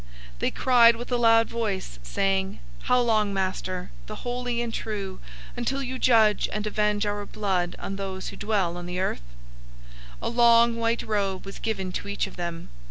006:010 They cried with a loud voice, saying, "How long, Master, the holy and true, until you judge and avenge our blood on those who dwell on the earth?" 006:011 A long white robe was given to each of them.